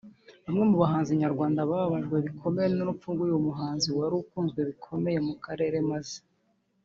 Bamwe mu bahanzi nyarwanda bababajwe bikomeye n’urupfu rw’uyu muhanzi wari ukunzwe bikomeye mu karere maze